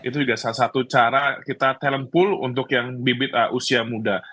itu juga salah satu cara kita talent pool untuk yang bibit usia muda